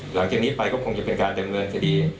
หลังจากนี้ไปก็คงจะเป็นการดำเนินคดี